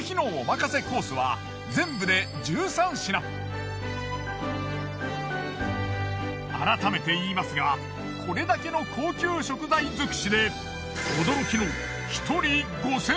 この日の改めて言いますがこれだけの高級食材づくしで驚きの。